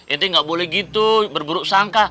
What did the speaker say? ini gak boleh gitu berburuk sangka